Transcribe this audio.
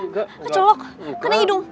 kecolok kena hidung